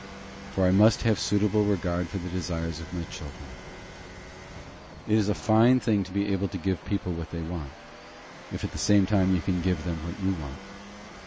For I must have suitable regard to the desires of my children. It is a fine thing to be able to give people what they want, if at the same time you can give them what you want.